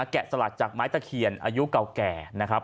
สลักจากไม้ตะเคียนอายุเก่าแก่นะครับ